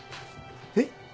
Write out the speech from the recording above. えっ？